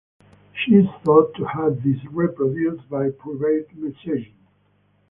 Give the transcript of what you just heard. She sought to have this reproduced by private messaging.